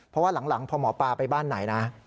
เพราะว่าหลังพอหมอปลาไปบ้านไหนนะ